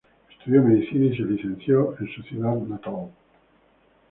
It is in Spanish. Estudió medicina y se licenció en su ciudad natal.